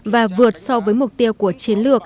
và vượt so với mục tiêu của chiến lược